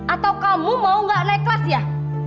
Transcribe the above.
atau kamu mau nggak naik kelas ya